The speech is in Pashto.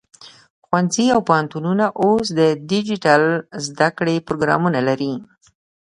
ښوونځي او پوهنتونونه اوس د ډیجیټل زده کړې پروګرامونه لري.